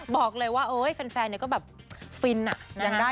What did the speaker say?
บอกเลยว่าแฟนเนี่ยก็แบบฟินอ่ะ